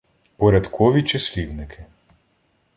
Порядкові числівники